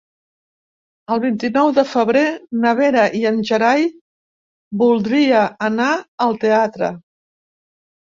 El vint-i-nou de febrer na Vera i en Gerai voldria anar al teatre.